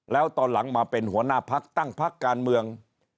แล้วตอนหลังมาเป็นหัวหน้าพักตั้งพักการเมือง